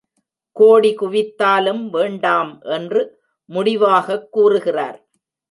கோடி குவித்தாலும் வேண்டாம் என்று முடிவாகக் கூறுகிறார்.